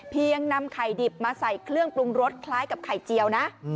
นำไข่ดิบมาใส่เครื่องปรุงรสคล้ายกับไข่เจียวนะ